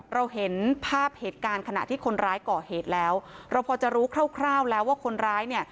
เราเห็นภาพเหตุการณ์ขณะที่คนร้ายก่อเหตุแล้วเราพอจะรู้คร่าวแล้วว่าคนร้ายเนี่ย